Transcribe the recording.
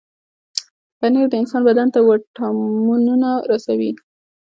پنېر د انسان بدن ته وټامنونه رسوي.